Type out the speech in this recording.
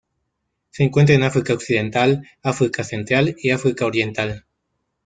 Se encuentra en África Occidental, África central y África Oriental.